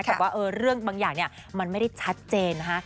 แต่ว่าเรื่องบางอย่างเนี่ยมันไม่ได้ชัดเจนนะคะ